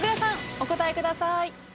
お答えください。